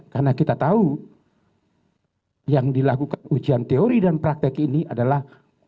karena kita tahu yang dilakukan ujian teori dan praktik ini adalah